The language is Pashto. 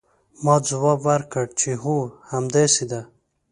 ما ځواب ورکړ چې هو همداسې ده.